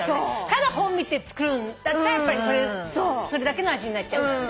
ただ本見て造るんだったらそれだけの味になっちゃう。